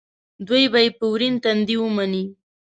دوی به یې په ورین تندي ومني.